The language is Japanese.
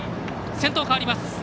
先頭、変わります。